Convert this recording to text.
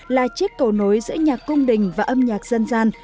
là chiếc cầu nối giữa nhạc cung đình và âm nhạc dân gian